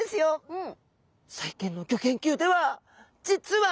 うん。